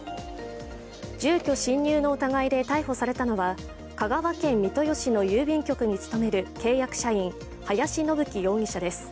住居侵入の疑いで逮捕されたのは香川県三豊市の郵便局に勤める契約社員、林伸樹容疑者です。